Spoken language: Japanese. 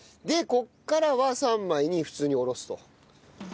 でここからは３枚に普通におろすと。